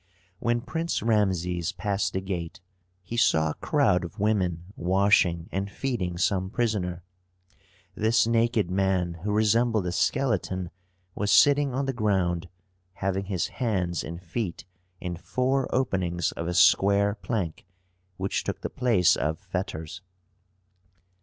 When Prince Rameses passed the gate, he saw a crowd of women washing and feeding some prisoner. This naked man, who resembled a skeleton, was sitting on the ground, having his hands and feet in four openings of a square plank which took the place of fetters.